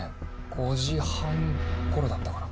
５時半ごろだったかな。